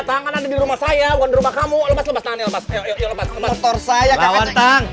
tangan ada di rumah saya bukan rumah kamu lepas lepas lepas lepas motor saya kawasan